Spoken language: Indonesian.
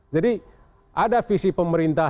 jadi ada visi pemerintah